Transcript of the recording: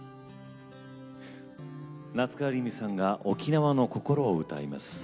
夏川りみさんが沖縄の心を歌います。